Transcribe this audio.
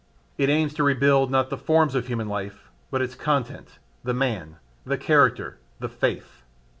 It aims to rebuild not the forms of human life, but its content, the man, the character, the faith.